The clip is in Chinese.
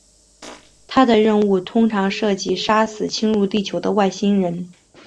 他的任务通常涉及杀死侵入地球的外星人。